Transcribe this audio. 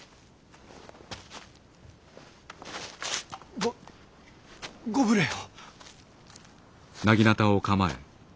ごご無礼を。